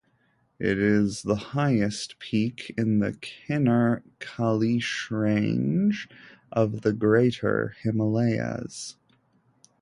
It is the highest peak in the Kinner Kailash range of the Greater Himalayas.